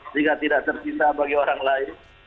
sehingga tidak tersisa bagi orang lain